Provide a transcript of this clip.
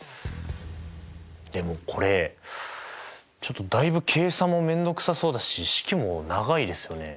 でもこれちょっとだいぶ計算も面倒くさそうだし式も長いですよね。